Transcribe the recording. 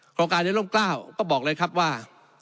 โครงการในร่มกล้าวก็บอกเลยครับว่า